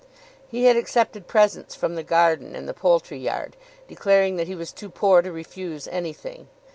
He had accepted presents from the garden and the poultry yard, declaring that he was too poor to refuse anything.